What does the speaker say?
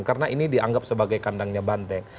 karena ini dianggap sebagai kandangnya banteng